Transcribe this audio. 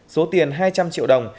số tiền hai trăm linh triệu đồng